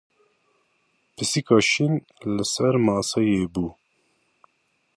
Pisîka şîn li ser maseyê bû.